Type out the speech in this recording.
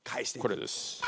これです。